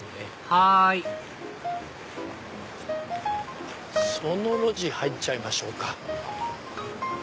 はいその路地入っちゃいましょうか。